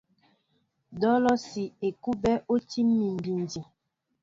Dolosi / Ekuɓɛ o tí mi bindi.